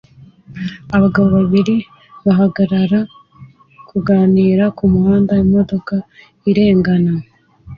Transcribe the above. Abagabo babiri bahagarara kuganira kumuhanda imodoka irengana